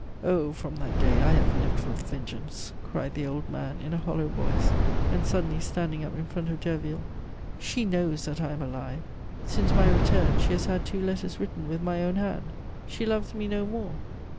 Oh, from that day I have lived for vengeance!" cried the old man in a hollow voice, and suddenly standing up in front of Derville. "She knows that I am alive; since my return she has had two letters written with my own hand. She loves me no more!